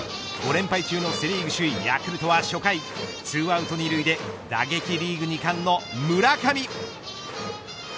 ５連敗中のセ・リーグ首位ヤクルトは初回２アウト２塁で打撃リーグ２冠の村上。